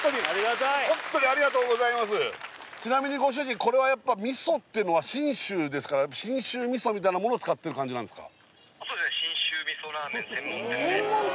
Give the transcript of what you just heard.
ホントにちなみにご主人これはやっぱ味噌ってのは信州ですから信州味噌みたいなものを使ってる感じなんすか？